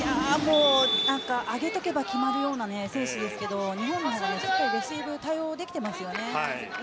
上げておけば決まるような選手ですけど日本はレシーブでしっかり対応できていますね。